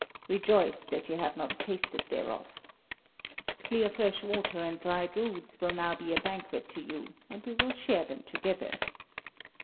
Rejoice that you have not tasted thereof. Clear fresh water and dried roots will now be a banquet to you, and we will share them together.